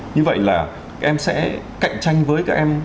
như vậy là em sẽ cạnh tranh với các em